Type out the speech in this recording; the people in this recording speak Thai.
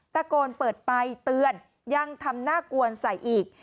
ตะโกนเปิดไปเตือนยังทำหน้ากวนใส่อีก